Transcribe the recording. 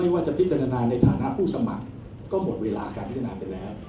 ว่าจะพิจารณาในฐานะผู้สมัครก็หมดเวลาการพิจารณาไปแล้ว